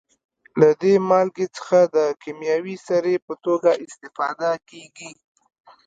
له دې مالګې څخه د کیمیاوي سرې په توګه استفاده کیږي.